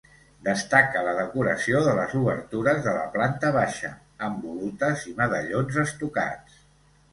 Destaca la decoració de les obertures de la planta baixa, amb volutes i medallons estucats.